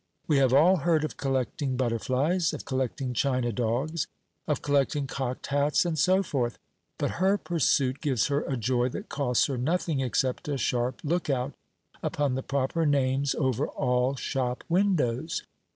We have all heard of collecting butterflies, of collecting china dogs, of collecting cocked hats, and so forth; but her pursuit gives her a joy that costs her nothing except a sharp look out upon the proper names over all shop windows.